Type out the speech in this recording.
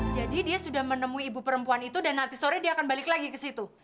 jadi dia sudah menemui ibu perempuan itu dan nanti sore dia akan balik lagi ke situ